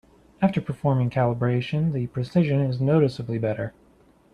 After performing calibration, the precision is noticeably better.